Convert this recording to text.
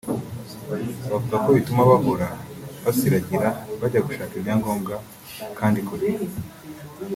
bavuga ko bituma bahora basiragira bajya gushaka ibyangombwa kandi kure